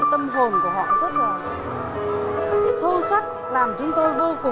tâm hồn của họ rất là sâu sắc làm chúng tôi vô cùng xúc động